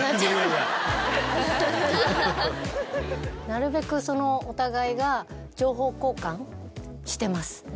なるべくお互いが情報交換してます。